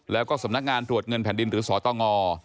แล้วก็สำนักงานตรวจเงินแผ่นดินหรือสตง